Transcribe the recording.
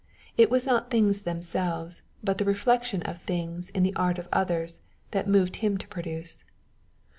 It was not things themselves, but the reflection of things in the art of others, that moved him to produce.